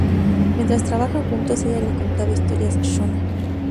Mientras trabajaban juntos, ella le contaba historias shona.